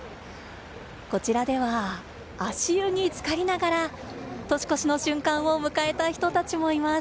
こちらでは足湯につかりながら年越しの瞬間を迎えた人たちもいます。